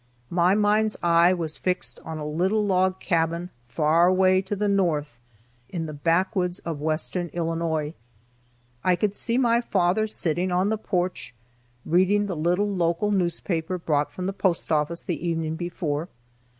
My mind's eye was fixed on a little log cabin, far away to the north, in the backwoods of western Illinois. I could see my father sitting on the porch, reading the little local newspaper brought from the post office the evening before.